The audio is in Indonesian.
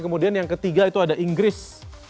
kemudian yang ketiga itu ada inggris